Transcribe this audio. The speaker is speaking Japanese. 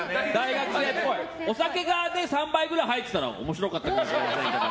お酒が３杯くらい入ってたら面白かったかもしれませんけど。